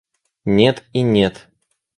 Нет и нет!